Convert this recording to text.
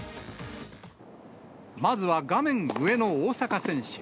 まずは画面上の大坂選手。